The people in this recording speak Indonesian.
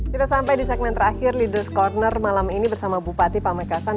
kita sampai di segmen terakhir leaders' corner malam ini bersama bupati pamekasan